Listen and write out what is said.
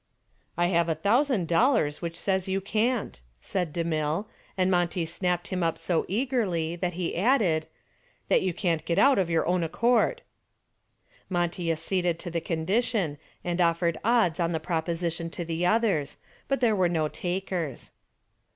"I have a thousand dollars which says you can't," said DeMille, and Monty snapped him up so eagerly that he added, "that you can't get out of your own accord." Monty acceded to the condition and offered odds on the proposition to the others, but there were no takers.